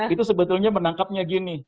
itu sebetulnya menangkapnya gini